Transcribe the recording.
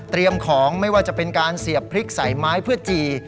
ของไม่ว่าจะเป็นการเสียบพริกใส่ไม้เพื่อจี่